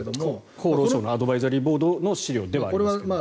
厚労省のアドバイザリーボードの資料ではあります。